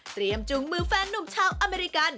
เตรียมจุงมือแฟนหนุ่มชาวอเมริกัน